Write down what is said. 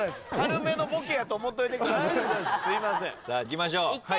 さあいきましょう。